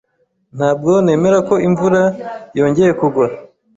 Ntabwo nemera ko imvura yongeye kugwa.